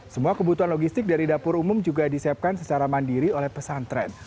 semua kebutuhan logistik dari dapur umum juga disiapkan secara mandiri oleh pesantren